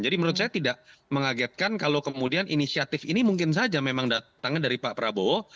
jadi menurut saya tidak mengagetkan kalau kemudian inisiatif ini mungkin saja memang datangnya dari pak prabowo